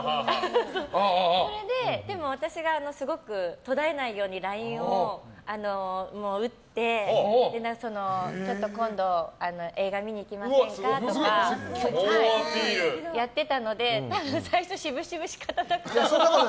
それで、私がすごく途絶えないようにＬＩＮＥを打って今度、映画見に行きませんかとかやってたので最初しぶしぶ仕方なくだと。